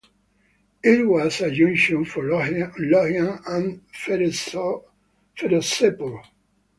It was a junction for Lohian and Ferozepur.